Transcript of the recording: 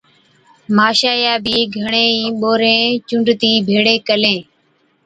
ماشائِيئَي بِي گھڻي ئِي ٻورين چُونڊتِي ڀيڙين ڪلين،